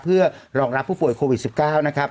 เพื่อรองรับผู้ป่วยโควิด๑๙นะครับ